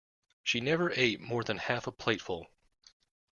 She never ate more than half a plateful